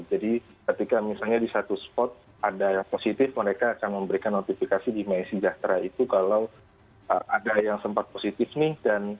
jadi ketika misalnya di satu spot ada yang positif mereka akan memberikan notifikasi di mysejahtera itu kalau ada yang sempat positif nih